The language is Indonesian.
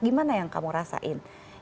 gimana yang kamu rasain